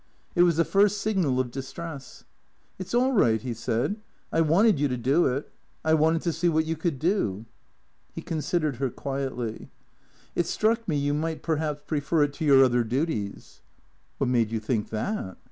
It was the first signal of distress. " It 's all right," he said. " I wanted you to do it. I wanted to see what you could do." He considered her quietly. " It struck me you might perhaps prefer it to your other duties." " Wliat made you think that?